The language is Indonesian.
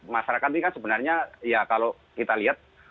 masyarakat ini kan sebenarnya ya kalau kita lihat